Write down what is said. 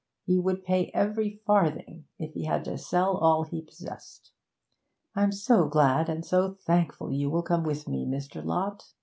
He would pay every farthing, if he had to sell all he possessed! 'I'm so glad and so thankful you will come with me Mr. Lott.